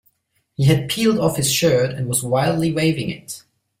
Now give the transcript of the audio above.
He had peeled off his shirt and was wildly waving it.